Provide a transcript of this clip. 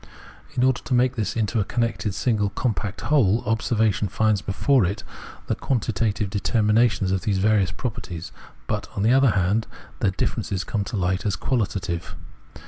In order to make this into a connected single compact whole, observation finds before it the quantitative determinations of these various properties, but, on the other hand, their differences come to light as quahtative.